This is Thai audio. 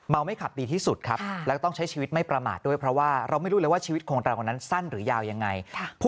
เมาไม่ขับดีที่สุดครับแล้วต้องใช้ชีวิตไม่ประมางด้วย